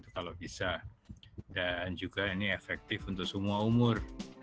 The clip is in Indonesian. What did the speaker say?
kalau bisa dan juga ini efektif untuk semua umur